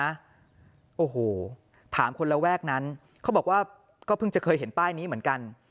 โอ้โหถามคนระแวกนั้นเขาบอกว่าก็เพิ่งจะเคยเห็นป้ายนี้เหมือนกัน